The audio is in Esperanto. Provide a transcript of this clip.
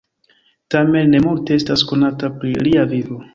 Tamen ne multe estas konata pri lia vivo.